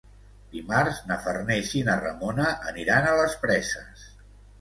Dimarts na Farners i na Ramona aniran a les Preses.